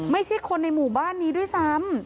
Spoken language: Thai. ไม่ใช่คนในหมู่บ้านนี้ด้วยซ้ำ